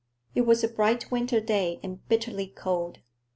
It was a bright winter day, and bitterly cold.